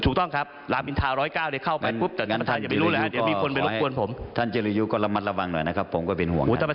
ถูกต้องครับลามอินทรา๑๐๙เดี๋ยวเข้าไปปุ๊บ